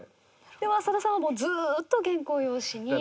でも浅田さんはずーっと原稿用紙に。